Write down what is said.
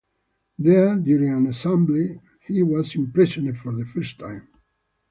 There, during an assembly, he was imprisoned for the first time.